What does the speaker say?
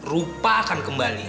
rupa akan kembali